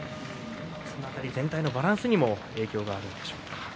その辺り全体のバランスにも影響があるでしょうか。